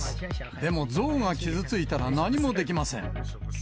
でも象が傷ついたら何もできません。